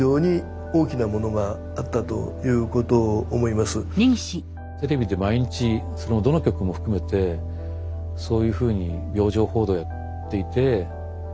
みんながテレビで毎日どの局も含めてそういうふうに病状報道をやっているとですね